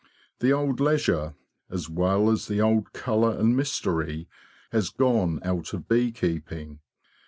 The old leisure, as well as the old colour and mystery, has gone out of bee keeping.